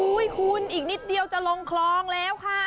คุณอีกนิดเดียวจะลงคลองแล้วค่ะ